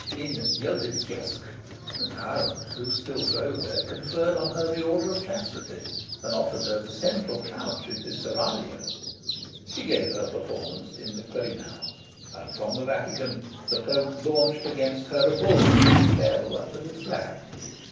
In Yildiz Kiosk, the tyrant who still throve there conferred on her the Order of Chastity, and offered her the central couch in his seraglio. She gave her performance in the Quirinal, and, from the Vatican, the Pope launched against her a Bull which fell utterly flat.